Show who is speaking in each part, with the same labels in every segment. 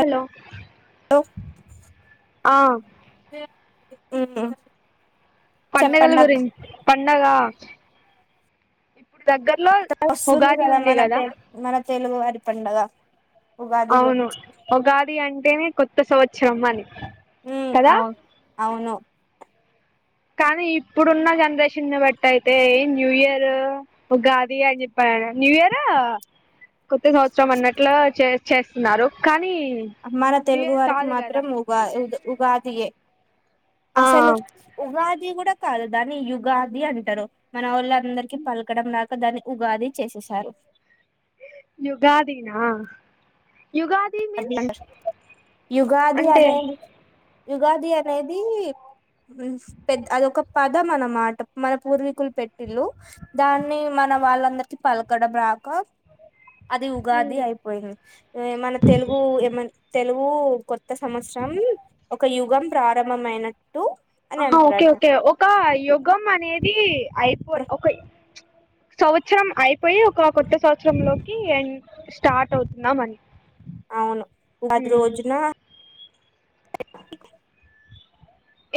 Speaker 1: Hello ఆ
Speaker 2: [inaudible]
Speaker 1: పండగలు
Speaker 2: చెప్పండి
Speaker 1: గురి
Speaker 2: అక్క
Speaker 1: పండగ దగ్గరలో
Speaker 2: అ వస్తుంది
Speaker 1: ఉగాది
Speaker 2: కదా
Speaker 1: ఉంది
Speaker 2: మన తె మన తెలుగువారి పండగ ఉగాది
Speaker 1: అవును
Speaker 2: గురించి
Speaker 1: ఉగాది అంటేనే కొత్త సంవత్సరం అని
Speaker 2: హు
Speaker 1: కదా
Speaker 2: అవు అవును
Speaker 1: కానీ ఇప్పుడున్న జనరేషన్ బట్టి అయితే న్యూ ఇయర్ ఉగాది అని చెప్పారు న్యూ ఇయర్ కొత్త సంవత్సరం అన్నట్లు చే చేస్తున్నారు క
Speaker 2: అ మన తెలుగు వారికి మాత్రం ఉగా ఉగాది ఏ
Speaker 1: ఆ
Speaker 2: అసలు ఉగాది గూడ కాదు దాని యుగాది అంటారు మన వాళ్ళు అందరికి పలకడం [unintelligible] దాన్ని ఉగాది చేసేసారు
Speaker 1: యుగాది న
Speaker 2: [unintelligible] యుగాది
Speaker 1: అంటే
Speaker 2: అనే యుగాది అనేది పె అదొక పద అనమాట మన పూర్వీకులు పెట్టిళ్ళు దాన్ని మ న వాళ్ళందరికి పలకడం రాక అది ఉగాది అయిపోయింది మన తెలుగు ఏమ తెలుగు కొత్త సంవత్సరం ఒక యుగం ప్రారంభమైన
Speaker 1: ఆహా ఓకే ఓకే ఒక యుగం అనేది అయిపో ఒక సంవత్సరం అయిపోయి ఒక కొత్త సంవత్సరం లోకి స్టార్ట్ అవుతున్నాం అని
Speaker 2: అవును ఉగాది
Speaker 1: మ్మ్
Speaker 2: రోజున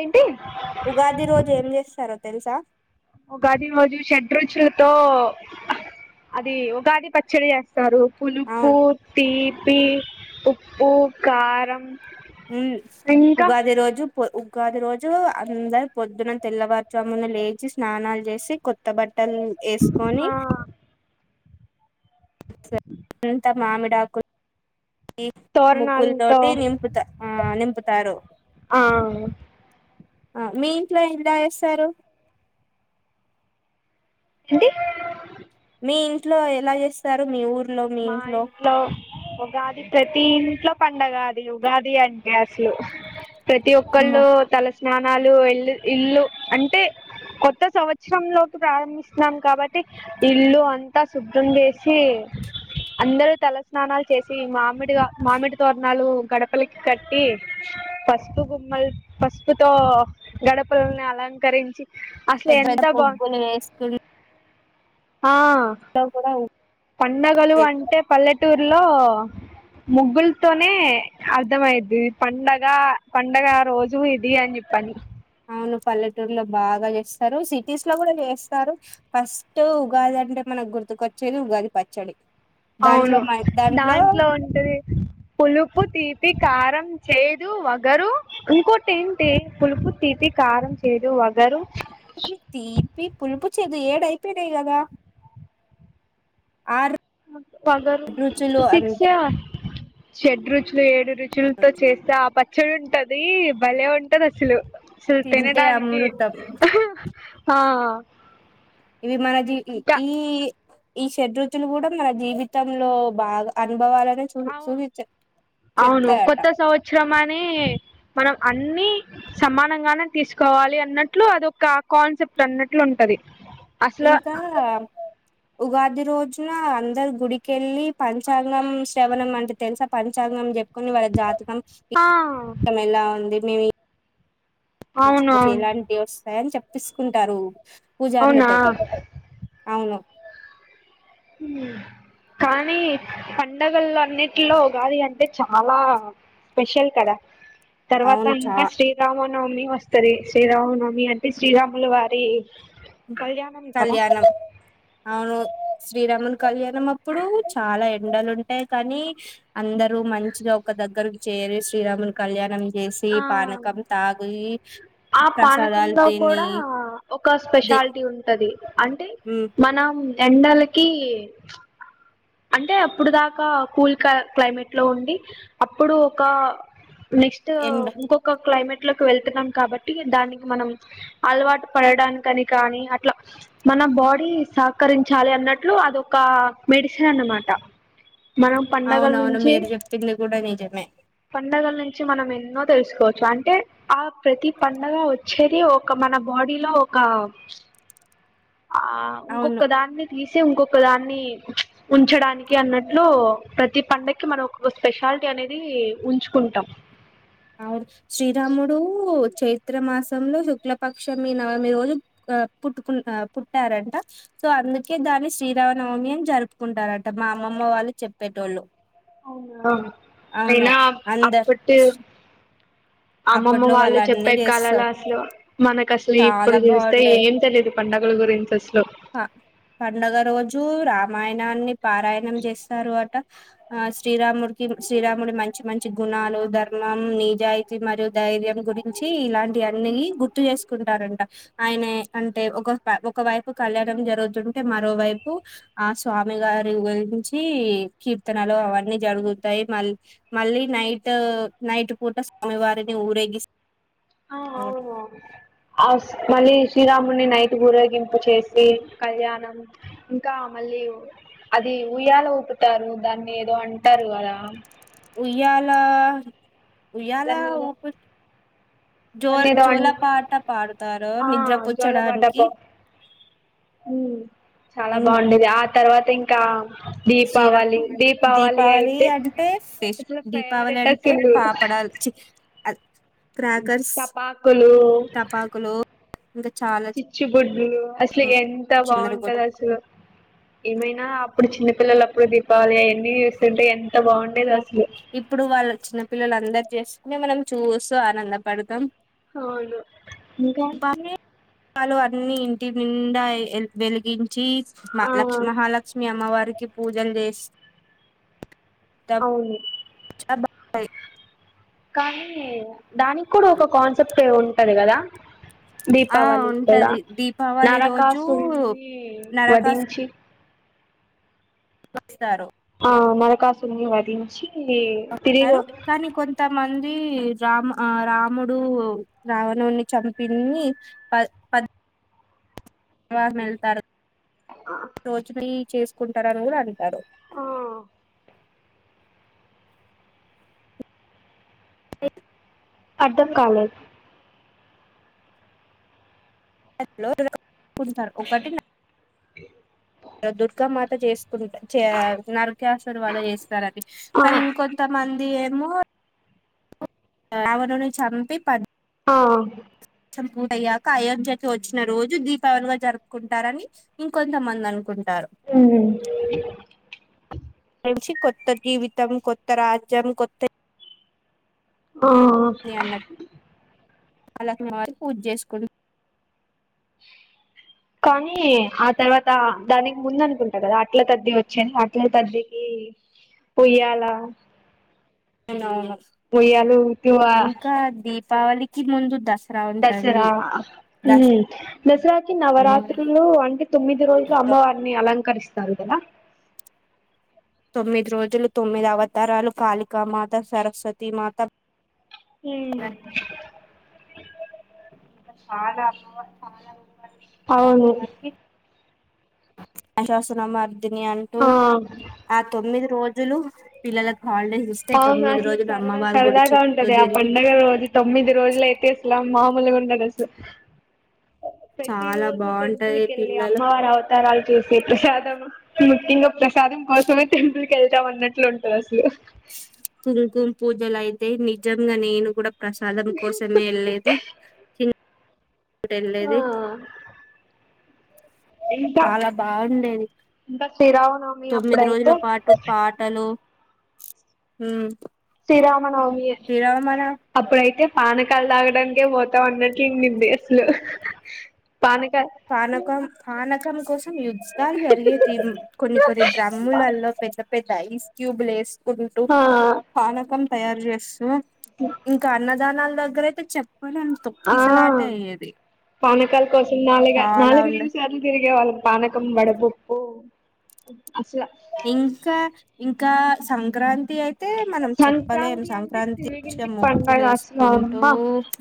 Speaker 1: ఏంటి
Speaker 2: ఉగాది రోజు ఏం చేస్తారో తెలుస
Speaker 1: ఉగాది రోజు షడ్రుచులతో అది ఉగాది పచ్చడి చే సరు పలుపు
Speaker 2: అవును
Speaker 1: తీపి ఉప్పు కారం
Speaker 2: ఉ
Speaker 1: ఇంకా
Speaker 2: ఉగాది రోజు ఉగాది రోజు అందరు పొద్దున తెల్లవారు చామున లేచి స్నానాలు చేసి కొత్త బట్టలు ఎసుకొని
Speaker 1: ఆ
Speaker 2: సరి పడింత మామిడాకు ఈ ముగ్గుల
Speaker 1: తోరణాలతో
Speaker 2: తోటి నింపుత ఆ నింపుతారు
Speaker 1: ఆ
Speaker 2: ఆ మీ ఇంట్లో ఇంలా వస్తారు [unintelligible]
Speaker 1: ఏంటి
Speaker 2: మీ ఇంట్లో ఎలా చేస్తారు మీ ఊరు
Speaker 1: మా ఇంట్లో ఉగాది ప్రతి ఇంట్లో పండగది ఉగాది అంటే అసలు ప్రతి ఒక్కళ్ళు తల స్నానాలు ఇల్ ఇల్లు అంటే కొత్త సంవత్సరం లోకి ప్రారంభిస్తున్నాం కాబట్టి ఇల్లు అంతా శుభ్రం చేసి అందరూ తలస్నానాలు చేసి మామిడిగా మామిడి తోరణాలు గడపలకి కట్టి పసుపు గుమ్మలు పసుపుతో గడపలని అలంకరించి అసలు
Speaker 2: పెద్ద పెద్ద
Speaker 1: ఎంత బాగు
Speaker 2: ముగ్గులు వేసుకునీ
Speaker 1: ఆ
Speaker 2: ఇ కూడా [unintelligible]
Speaker 1: పండగలు అంటే పల్లెటూరులో ముగ్గులతోనే అర్థమైద్ది ఇది పండగ పండగ రోజు ఇది అని చె పన [unintelligible]
Speaker 2: పల్లెటూరులో బాగా చేస్తారు సిటీస్ లో కూడా చేస్తారు ఫస్ట్ ఉగాది అంటే మన మనకి గుర్తుకొచ్చేది ఉగాది పచ్చడి దాంట్లో
Speaker 1: అవును
Speaker 2: మ
Speaker 1: దాంట్లో ఉంటది పులుపు తీపూ కారం చేదు వగరు ఇంకోటి ఏంటి పులుపు తిపి కారం చేదు వగరు
Speaker 2: తీపి పులుపు ఏడు అయిపోయినయి కదా ఆడ్ర
Speaker 1: పగరు శిక్ష షెడ రుచి [unintelligible] అసలు ఏడు రుచులతో చేస్తే ఆ పచ్చడి ఉంటది భలే ఉంటది అసలు అసల్
Speaker 2: తింటే
Speaker 1: తినడానికి
Speaker 2: అమృతం
Speaker 1: ఆ
Speaker 2: ఇవిమానది
Speaker 1: ఇంకా
Speaker 2: ఈ [unintelligible] ఈ షడ్ రుచులు కూడా మన జీవితంలో బాగా అనుభవాల
Speaker 1: అవును అవును కొత్త సంవత్సరం మనం అన్ని సమానంగానే తీసుకోవాలి అన్నట్లు అదొక కాన్సెప్ట్ టన్నట్లు ఉంటది అసలు
Speaker 2: ఇంకా ఉగాది రోజున అందరు గుడికెళ్ళి పంచాంగం శ్రవణం అంటే తెలుసా పంచాంగం చెప్ కొన్ని వాళ్ళ జాతకం
Speaker 1: ఆ
Speaker 2: ఎలా ఉంది మేమి
Speaker 1: అవును
Speaker 2: చుకోచ్చు
Speaker 1: అవును
Speaker 2: ఎలాంటివి వస్తాయని చెప్పిసుకుంటారు పూజారులు
Speaker 1: అవునా
Speaker 2: కది అవును
Speaker 1: ఉం కానీ పండగలు అన్నింటిలో ఉగాది అంటే చాలా స్పెషల్ కదా తర్వాత
Speaker 2: అవును చా
Speaker 1: అంతా శ్రీరామ నవమి వస్తది శ్రీరామ నవమి అంటే శ్రీరాముల వారి కళ్యాణం కదా
Speaker 2: కళ్యాణం అవును శ్రీరామన్ కళ్యాణం అప్పుడు చాలా ఎండలు ఉంటాయి కానీ అందరు మంచిగా ఒక దగ్గరకు చేరి రే శ్రీరాములు కళ్యాణం చేసి
Speaker 1: ఆ
Speaker 2: పానకం తాగి
Speaker 1: ఆ
Speaker 2: ప్రసాదాలు
Speaker 1: పానకంలో
Speaker 2: తిని
Speaker 1: కూడా ఒక
Speaker 2: దే
Speaker 1: స్పెషాలిటీ ఉంటది అంటే
Speaker 2: ఉమ్
Speaker 1: మనం ఎండలకి అంటే అప్పుడు దాకా కూల్ క క్లైమేట్ లో ఉండి అప్పుడు ఒక నెక్స్ట్
Speaker 2: ఎండ
Speaker 1: ఇంకొక క్లైమేట్ లోకి వెళ్తున్నాం కాబట్టి దానికి మనం అలవాటు పడడానికని కానీ అట్లా మన మన బాడీ సహకరించాలి అన్నట్లు అదొక మెడిసిన్ అన్నమాట మనం పండగల్
Speaker 2: అవునవును
Speaker 1: నించి
Speaker 2: మీరు చెప్పింది కూడా నిజమే
Speaker 1: పండగల్ నుంచి మనం ఎన్నో తెల్సుకోచ్చు అంటే ఆ ప్రతి పండగ ఒచ్చేది ఒక మ మన బాడీ లో ఒకా ఆ
Speaker 2: అవును
Speaker 1: ఇంకొక్క దాన్ని తీసే ఉంకొక్ ఒక దాన్ని ఉంచడానికి అన్నట్లు ప్రతి పండకి మనం ఒక స్పెషాలిటీ అనేది కీ ఉంచుకుంటాం
Speaker 2: అవుర్ శ్రీరాముడు చైత్ర మాసంలో శుక్లపక్షమి నవమి రోజు గా పుట్టుకున్ ఆ పుట్యారంట సో అందుకే దాన్ని శ్రీరామనవమి అని జరుపుకుంటారంట మా అమ్మమ్మ వాళ్ళు చెప్పేటోళ్ళు
Speaker 1: అవునా
Speaker 2: అవును
Speaker 1: అయినా
Speaker 2: అందరు
Speaker 1: అప్పటి అమ్మమ్మ
Speaker 2: అప్పట్లో
Speaker 1: వాళ్ళు
Speaker 2: అన్నీ
Speaker 1: చెప్పే కాలలా
Speaker 2: చేస్తారు
Speaker 1: అసలు మనకు అసల్ ఇప్పుడు
Speaker 2: చాలా
Speaker 1: హేల్స్తే
Speaker 2: బాగుండే
Speaker 1: ఏం తెలీదు పండగలు గు ఇబ్బురు ఇంట్రెస్ట్ లెవ్
Speaker 2: ప పండగ రోజు రామాయణాన్ని పారాయణం జేస్తారు అట ఆ శ్రీరాముడికి శ్రీరాముడి మంచి మంచి గుణాలు ధర్మం నిజాయి తి మరియు ధైర్యం గురించి ఇలాంటి అన్ని గుర్తు జేసుకుంటారంట ఆయనే అంటే ఒక్ ఒహ్ ప్యా ఒక వైపు కళ్యాణం జరుగుతుంటే మరోవైపు ఆ స్వామి గారి గురించి ఈ కీర్తనలు అవన్నీ జరుగుతై మల్ మళ్ళీ నైట్ నైట్ పూట స్ అమివారిని ఊరేగిస్
Speaker 1: ఆ అవును అవును ఆస్ మళ్ళీ శ్రీరాముణ్ణి నైట్ ఊరేగింపు చేసి కళ్యాణం ఇంకా మళ్ళీ అది ఉయ్యాల ఊపుతారు దాన్ని ఏదో అంటారు గదా
Speaker 2: ఉయ్యాల ఉయ్యాల
Speaker 1: దాన్ని ఏదో
Speaker 2: ఊపుత్ జోల్
Speaker 1: దాన్ని ఏదో అన్
Speaker 2: జోలపాట పాడుతారు నిద్రపుచ్చడానికి
Speaker 1: ఉమ్ చాలా బాండేది ఆ తర్వాత ఇంక్
Speaker 2: శ్రీ రా దీపావళి అంటే ఫెష్
Speaker 1: అసలు
Speaker 2: దీపావళి
Speaker 1: ఫేవరెట్
Speaker 2: అంటే
Speaker 1: అసలు
Speaker 2: పాపడ్ డాల్ చీ అద్ క్రాకర్స్
Speaker 1: టపాకులు
Speaker 2: టపాకులు ఇంక
Speaker 1: చిచ్చుబుడ్లు అసల్కి ఎంత
Speaker 2: చిందర గొ
Speaker 1: బాంటదో అసలు ఏమైనా అప్ ప్పుడు చిన్నపిల్లలప్పుడు దీపావళి అయెన్నీ చూస్తుంటే ఎన్
Speaker 2: ఓ ఇప్పుడు వాళ్ళ చిన్నపిల్లలందర్ చేసుకునే మనం చూస్తూ ఆనందపడుతాం
Speaker 1: అవును ఇంకా
Speaker 2: పాలు అన్ని ఇంటి నిండా ఎల్ వెలిగిన్ చీచ్ మా
Speaker 1: ఆ
Speaker 2: లక్ష్ మహాలక్ష్మి అమ్మవారికి పూజల్ జేస్
Speaker 1: అవును
Speaker 2: చా భాది
Speaker 1: కానీ దానిక్ కుడూ ఒక కాన్సెప్ట్ ఏ ఉంటది గదా
Speaker 2: ఆ
Speaker 1: దీపావళి కదా
Speaker 2: ఉంటది దీపావళి రోజు
Speaker 1: నరకాసున్నీ
Speaker 2: నరకాసు
Speaker 1: వధించి
Speaker 2: వక్ స్తారు
Speaker 1: ఆ నరకాసుని వదించీ తిరిగో
Speaker 2: దీ రామ ఆ రాముడు రావణున్ని చంపిన్ని పద్ పద్ వాహ్మ్ ఎళ్తారు రోచుని చేసుకుంటారు ఆ రోలు యాడ బెడుతాడు
Speaker 1: ఆ
Speaker 2: ఏ
Speaker 1: అర్ధం కాలే
Speaker 2: [unintelligible] ఒకటిన్ ఆ యె దుర్గామాత జేస్ [unintelligible] చ్య నరక్యాసుడి వల్ల ఏస్తార్ అది
Speaker 1: ఆ
Speaker 2: కానీ ఇంకొంతమంద్ ది ఏమో రావణని చంపి పద్
Speaker 1: ఆ
Speaker 2: పన్ పూర్ అయ్యాక అయోధ్యకి ఒచ్చిన రోజు దీపావళిగా జరుపుకుంటారని ఇంకొంతమంది అనుకున్
Speaker 1: ఊ
Speaker 2: రేప్ నించి కొత్త జీవితం కొత్త రాజ్యం కొత్త ఇ
Speaker 1: ఆ
Speaker 2: మీఅన్న లక్ష్మారి పూజ జేసుకు
Speaker 1: కానీ ఆ తర్వాత దానికి ముంద అనుకుంటా గదా అట్ల తద్ది వచ్చేది అట్ల తదికి ఉయ్యాల
Speaker 2: అవును
Speaker 1: ఉయ్యాలు ఊతువ
Speaker 2: ఇంకా దీపావళికి ముందు దస్
Speaker 1: దసరా దసరాకి నవరాత్రులు అంటే తొమ్మిది రోజులు అమ్మ వారిని అలంకరిస్తారు గదా
Speaker 2: తొమ్మిది రోజులు తొమ్మిది అవతారాలు కాళికా మాత సరస్వతీ మాత ఇంకా
Speaker 1: ఉమ్
Speaker 2: చాలా
Speaker 1: అవును.
Speaker 2: ఆశాసున మర్దిని అంటూ
Speaker 1: ఆ
Speaker 2: ఆ తొమ్మిది రోజులు పిల్లలకు హాలిడేస్ ఇస్తే
Speaker 1: అవును
Speaker 2: తొమ్మిది
Speaker 1: అసలు
Speaker 2: రోజులు
Speaker 1: సరదా
Speaker 2: అమ్మవారి గుడి
Speaker 1: సరదాగా
Speaker 2: చుట్టూ
Speaker 1: ఉంటది. ఆ
Speaker 2: తిరిగి
Speaker 1: పండుగ రోజు తొమ్మిది రోజులు అయితే అసలు మామూలుగా ఉండదసలు ప్రతి
Speaker 2: చాలా
Speaker 1: రోజు టెంపుల్
Speaker 2: బాగుంటది
Speaker 1: కెళ్ళి
Speaker 2: పిల్లలు
Speaker 1: అమ్మవారి అవతారాలు చేసే ప్రసాదం ముఖ్యంగా ప్రసాదం కోసమే తి కెళ్తాం అన్నట్లు ఉంటది అసలు
Speaker 2: తుల్కుమ్ పూజలైతే నిజంగా నేేను గూడా ప్రసాదం కోసమే యెళ్ళెది ఇప్పుడు
Speaker 1: ఆ
Speaker 2: యెళ్ళెది
Speaker 1: ఇంకా
Speaker 2: చాలా బాగుండేది.
Speaker 1: ఇంకా శ్రీరామనవమి
Speaker 2: తొమ్మిది రోజుల
Speaker 1: అప్పుడైతే
Speaker 2: పాటు పాటలు ఉమ్
Speaker 1: శ్రీరామనవమి
Speaker 2: శ్రీరామణ
Speaker 1: అప్పుడైతే పానకాలు తాగడానికే పోతా అన్నట్లు ఇన్ని బేస్లు
Speaker 2: పానకం పానకం కోసం యుద్ధాలు జరిగేది కొన్ని కొన్ని డ్రమ్ములలో పెద్ద పెద్ద ఐస్ క్యూబ్లు యేసుకుంటూ
Speaker 1: ఆ
Speaker 2: పానకం తయారు జేస్తూ ఇంకా అన్న దానాల దగ్గరైతే చెప్ప
Speaker 1: ఆ పానకాల కోసం నాలుగు
Speaker 2: చాలా
Speaker 1: నాలుగు
Speaker 2: ఉండ
Speaker 1: ఐదు సార్లు తిరిగే వాళ్ళం పానకం వడబప్పు అసలు
Speaker 2: ఇంకా ఇంకా సంక్రాంతి అయితే మనం చెప్పలేం
Speaker 1: సంక్రాంతి అంటే
Speaker 2: సంక్రాంతి ఇగ
Speaker 1: తెలుగింటి పండగ
Speaker 2: ముగ్గులు
Speaker 1: అసలు
Speaker 2: యేసుకుంటూ
Speaker 1: అమ్మ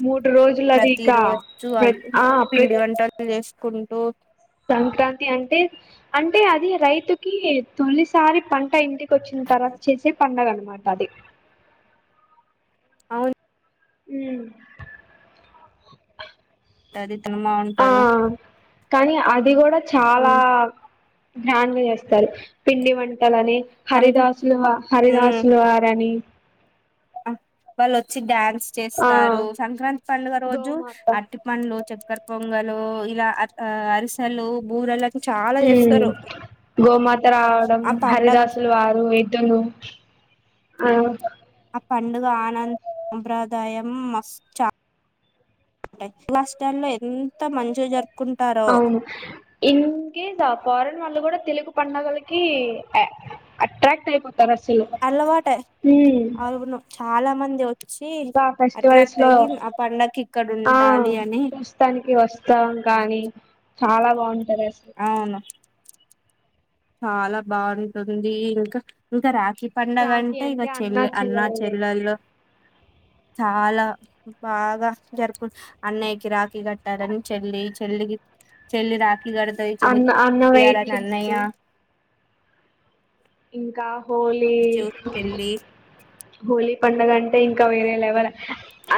Speaker 1: మూడు రోజులు అది
Speaker 2: ప్రతి
Speaker 1: ఇక
Speaker 2: రోజు
Speaker 1: ప్ర
Speaker 2: వాళ్ళు
Speaker 1: ఆ ప్ర
Speaker 2: పిండి వంటలు జేసుకుంటూ
Speaker 1: సంక్రాంతి అంటే అంటే అది రైతుకి తొలిసారి పంట ఇంటికి వచ్చిన తర్వాత చేసే పండగ అన్నమాట అది
Speaker 2: అవును
Speaker 1: ఉమ్
Speaker 2: ఉంటది సినిమా
Speaker 1: ఆ
Speaker 2: ఉంటది
Speaker 1: కానీ అది గూడా చాలా
Speaker 2: ఉమ్
Speaker 1: గ్రాండ్ గా జేస్తారు పిండి వం ట్టలని
Speaker 2: సంక
Speaker 1: హరిదాసులు
Speaker 2: ఉమ్
Speaker 1: హరిదాసులు వారని
Speaker 2: వాళ్ళు వచ్చి డ్యా న్స్
Speaker 1: ఆ
Speaker 2: చేస్తారు సంక్రాంతి పండుగ రోజు
Speaker 1: గోమాత
Speaker 2: అట్టి పండ్లు చక్కర్ పొంగలు ఇలా అరిసెలు బూరలు అన్ని చాలా
Speaker 1: ఉమ్
Speaker 2: చేస్తారు
Speaker 1: గోమాత రావడం
Speaker 2: ఆ పండగ
Speaker 1: హరిదాసులు వారు ఎద్దులు ఆ
Speaker 2: ఆ పండుగ ఆనంద సంప్రదాయం మస్త్ చ ఉంటాయ్ కులాస్టార్లో ఎంత మంచిగ జరుపు
Speaker 1: అవును ఇన్కేస్ అ పారన్ వాళ్ళు గూడా తెలుగు పండగలకి అట్రాక్ట్ అయిపోతు [unintelligible]
Speaker 2: అలవాటే
Speaker 1: ఉమ్
Speaker 2: అవును చాలా మంది వచ్చి
Speaker 1: ఇంకా ఫెస్టివల్స్
Speaker 2: అట్రాక్ట్
Speaker 1: లో
Speaker 2: అయ్యి ఆ పండగకి ఇక్కడ
Speaker 1: ఆ
Speaker 2: ఉండాలి అని
Speaker 1: చూస్తానికి వస్తా కానీ చాలా బాగుంటది అసలు
Speaker 2: అవును చాలా బారీతో ఉంది ఇంకా ఇంకా రా కి పడుగ
Speaker 1: రాఖీ
Speaker 2: అంటే ఇగ చెల్ల అన్న చెల్లెల్లు
Speaker 1: అ
Speaker 2: చాలా బాగా జరుపూకు అన్నయ్యకి రాఖీ కట్టాలని చెల్లి చెల్లికి చెల్లి రాఖి కడుతది
Speaker 1: అన్న
Speaker 2: చెల్లికి
Speaker 1: అన్న వెయిట్
Speaker 2: విప్పియలని అన్నయ్య
Speaker 1: చేస్తూ ఇంకా హోలీ
Speaker 2: చూ- చెల్లి
Speaker 1: హోలీ పండగంటే ఇంకా వేరేలెవల్ అ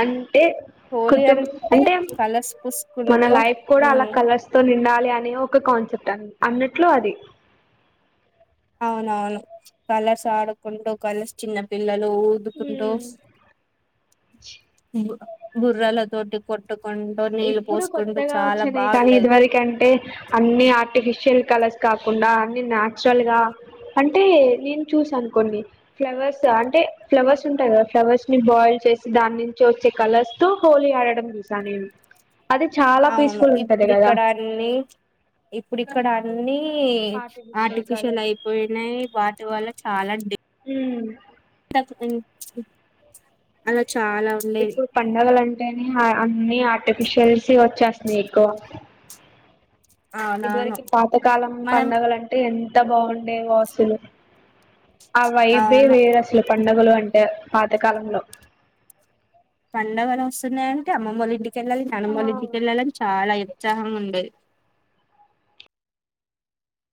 Speaker 1: అంటే
Speaker 2: హోలీ
Speaker 1: కుటుం అంటే
Speaker 2: కలర్స్
Speaker 1: మన
Speaker 2: పూసుకుంటూ
Speaker 1: లైఫ్ కూడా అలా
Speaker 2: ఉమ్,
Speaker 1: కలర్స్ తో నిం ఉండాలి అనే ఒక కాన్సెప్ట్ అ అన్నట్లు అది
Speaker 2: అవునవును కలర్స్ ఆడుకుంటు కలర్స్ చిన్న పిల్లల్ ఉదుకుంటూ బుర్రాల తోటి కోట్
Speaker 1: ఇప్పుడు కొత్తగా వచ్చినయి కానీ
Speaker 2: బాగుండేది
Speaker 1: ఇదివరక అంటే అన్ని ఆర్టిఫిషియల్ కలర్స్ కాకుండా అన్ని నాచురల్ గా అంటే నేను చూస అనుకోండి ఫ్లవర్స్ అంటే ఫ్లవర్స్ ఉంటాయి కదా ఫ్లవర్స్ ని బాయిల్ చేసి దాని నుంచి వచ్చే కలర్స్ తో హోలీ ఆడడం చూసా నేను అది చాలా
Speaker 2: అవును
Speaker 1: పీస్ఫుల్ ఉంటది
Speaker 2: ఇప్పుడు
Speaker 1: కదా
Speaker 2: ఇక్కడ అన్ని ఇప్పుడు ఇక్కడ అన్ని న్నీ ఆర్టిఫిషియల్ అయిపోయినాయి వాటి వల్ల చాలా
Speaker 1: ఊ
Speaker 2: అలా చాలా ఉండేది
Speaker 1: ఇప్పుడు పండగల అం అంటేనే ఆర్టిఫిషియల్స్ వచ్చేస్తున్నాయి ఎక్కువ
Speaker 2: అవునవును
Speaker 1: ఇదివరకు పాతకాలం
Speaker 2: మనం
Speaker 1: పండగల అంటే ఎంత బాగుండేవో అసలు ఆ వైబే
Speaker 2: అవును
Speaker 1: వేరు అసలు పండగలు అంటే పాతకాలంలో
Speaker 2: పండగలు వస్తున్నాయంటే అమ్మమ్మ వాళ్ళ ఇంటికేళ్ళాలి
Speaker 1: ఆ
Speaker 2: నాన్నమ్మ వాళ్ళ ఇంటికి వెళ్ళాలని చాలా ఏ ఉత్సాహంగా ఉండేది